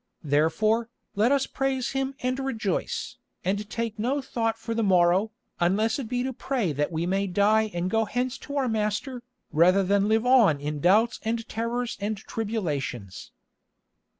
Therefore, let us praise Him and rejoice, and take no thought for the morrow, unless it be to pray that we may die and go hence to our Master, rather than live on in doubts and terrors and tribulations."